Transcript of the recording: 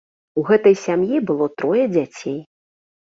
У гэтай сям'і было трое дзяцей.